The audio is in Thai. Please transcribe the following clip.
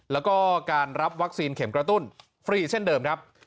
แล้วก็การรับวัคซีนเข็มกระตุ้นฟรีเช่นเดิมครับ